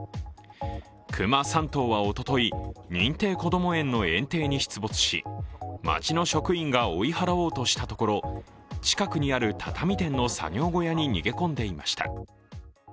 熊３頭はおととい、認定こども園の園庭に出没し町の職員が追い払おうとしたところ近くにある畳店の作業小屋に逃げ込んでいました。